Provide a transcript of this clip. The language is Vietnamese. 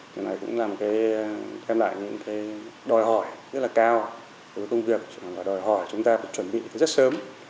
nó cũng là một cái đòi hỏi rất là cao của công việc đòi hỏi chúng ta chuẩn bị rất sớm